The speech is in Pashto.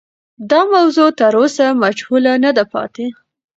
دا موضوع تر اوسه مجهوله نه ده پاتې.